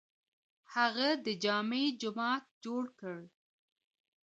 هغه د جامع جومات جوړ کړ.